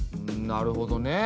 なるほどね。